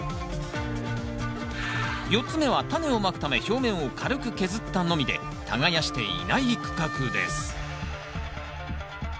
４つ目はタネをまくため表面を軽く削ったのみで耕していない区画です